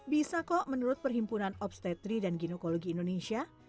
bisa kok menurut perhimpunan obstetri dan ginekologi indonesia